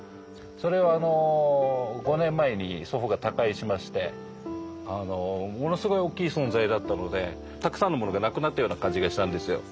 それはあの５年前に祖父が他界しましてものすごいおっきい存在だったのでたくさんのものがなくなったような感じがしたんですよ。